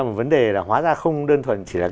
vấn đề là hóa ra không đơn thuần chỉ là